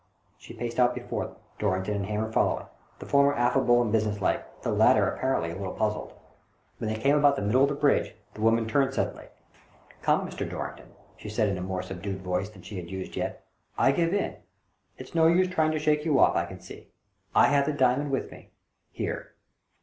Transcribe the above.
She paced out before them, Dorrington and Hamer following, the former affable and business like, the latter apparently a little puzzled. When 148 THE DOEBINGTON DEED BOX they came about the middle of the bridge, the woman turned suddenly. " Come, Mr. Dorring ton," she said, in a more subdued voice than she had yet used, " I give in. It's no use trying to shake you off, I can see. I have the diamond with me. Here."